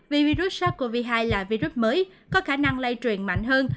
vì virus sars cov hai là virus mới có khả năng lây truyền mạnh hơn